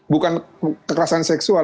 bukan kekerasan seksual